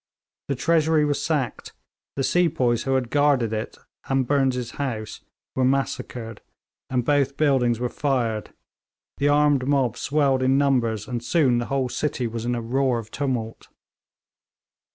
The Treasury was sacked; the sepoys who had guarded it and Burnes' house were massacred, and both buildings were fired; the armed mob swelled in numbers, and soon the whole city was in a roar of tumult.